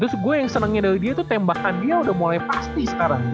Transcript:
terus gue yang senangnya dari dia tuh tembakan dia udah mulai pasti sekarang